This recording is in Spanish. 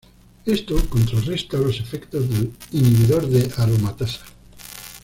Esto contrarresta los efectos del inhibidor de aromatasa.